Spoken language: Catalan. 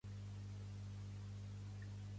Pertany al moviment independentista el Ceferino?